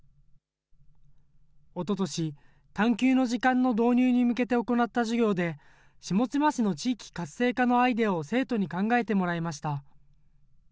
おととし、探究の時間の導入に向けて行った授業で、下妻市の地域活性化のアイデアを生徒に考えてもらいました。